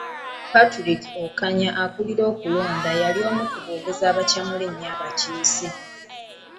Patrick Okanya akulira okulonda yali omu ku boogezi abaacamula ennyo abakiise.